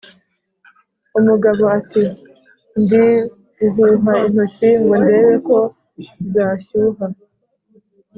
umugabo, ati "ndi guhuha intoki ngo ndebe ko zashyuha"